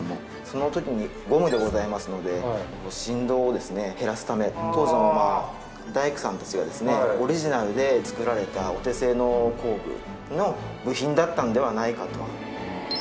そのときにゴムでございますので振動を減らすため当時の大工さんたちがオリジナルで作られたお手製の工具の部品だったんではないかと。